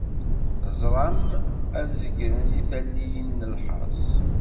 Teẓram ad zeggren i talliyin n lḥers.